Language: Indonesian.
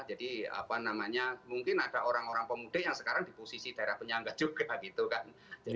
apa namanya mungkin ada orang orang pemudik yang sekarang di posisi daerah penyangga juga gitu kan